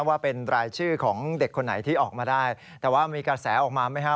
ว่าเป็นรายชื่อของเด็กคนไหนที่ออกมาได้แต่ว่ามีกระแสออกมาไหมฮะ